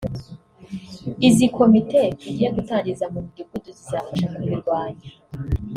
Izi komite tugiye gutangiza mu midugudu zizafasha kubirwanya